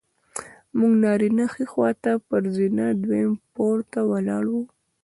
موږ نارینه ښي خوا ته پر زینه دویم پوړ ته ولاړو.